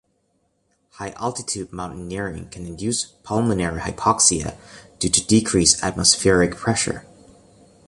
High-altitude mountaineering can induce pulmonary hypoxia due to decreased atmospheric pressure.